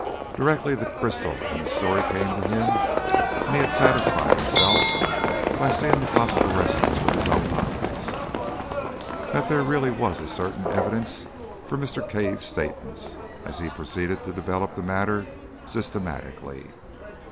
Directly the crystal and its story came to him, and he had satisfied himself, by seeing the phosphorescence with his own eyes, that there really was a certain evidence for Mr. Cave's statements, he proceeded to develop the matter systematically.